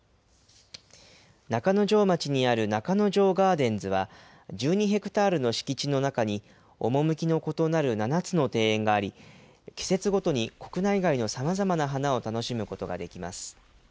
中之条町にある中之条ガーデンズは、１２ヘクタールの敷地の中に、趣の異なる７つの庭園があり、季節ごとに国内外のさまざまな花を楽しむことができます。